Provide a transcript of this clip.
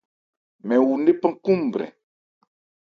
Mɛn wu ńnephan khúúnbrɛn.